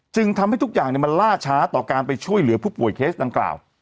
ทำให้ทุกอย่างมันล่าช้าต่อการไปช่วยเหลือผู้ป่วยเคสดังกล่าว